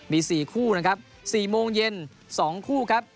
มี๔คู่นะครับ๔โมงเย็น๒คู่ครับ